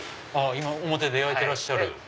今表で焼いてらっしゃる。